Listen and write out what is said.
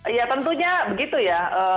ya tentunya begitu ya